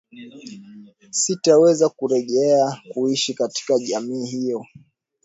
Sitaweza kurejea kuishi katika jamii hiyo